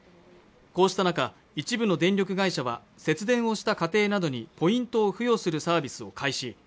こうした中一部の電力会社は節電をした家庭などにポイントを付与するサービスを開始